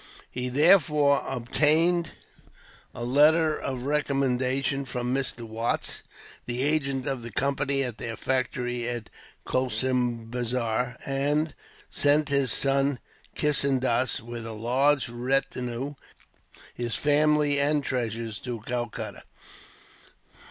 He therefore obtained a letter of recommendation from Mr. Watts, the agent of the Company at their factory at Cossimbazar; and sent his son Kissendas, with a large retinue, his family and treasures, to Calcutta.